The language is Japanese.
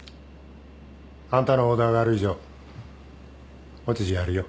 あんたのオーダーがある以上俺たちやるよ。